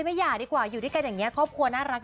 เพราะว่าถ้าหย่าไปแล้ว